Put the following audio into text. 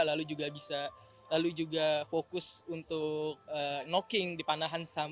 lalu juga bisa lalu juga fokus untuk knocking di panahan